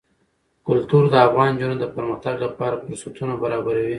کلتور د افغان نجونو د پرمختګ لپاره فرصتونه برابروي.